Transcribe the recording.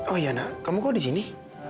oh ya nak kamu kok di sini